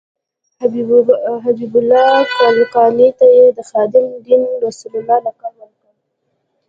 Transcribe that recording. حبیب الله کلکاني ته یې د خادم دین رسول الله لقب ورکړ.